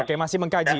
oke masih mengkaji